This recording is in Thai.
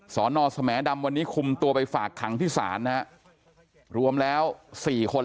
สอนอสแหมดำวันนี้คุมตัวไปฝากขังที่ศาลนะฮะรวมแล้ว๔คน